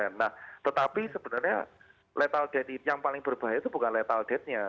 nah tetapi sebenarnya lethal death yang paling berbahaya itu bukan lethal death nya